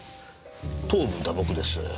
頭部打撲です。